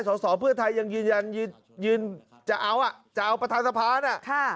ส่วนสองเพื่อไทยยังยืนยันจะเอาประตานสภานะ